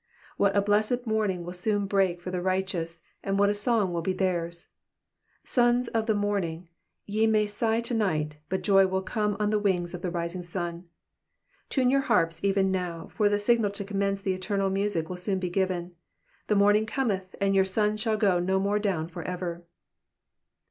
What a blessed morning will soon break for the righteous, and what a song will be theirs ! Sons of the morning, ye may sigh to night, but joy will come on the wings of the rising sun. Tune your harps even now, for the signal to commence the eternal music will soon be given ; the morning cometh and youi' sun shall go no more down for ever.